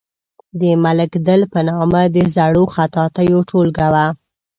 د ملک دل په نامه د زړو خطاطیو ټولګه وه.